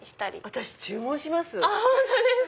私注文します。